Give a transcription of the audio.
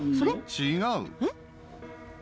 違う。